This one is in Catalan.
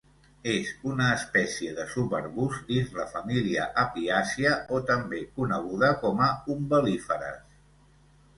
És una espècie de subarbust dins la família apiàcia o també conegudes com a Umbel·líferes.